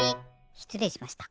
しつれいしました。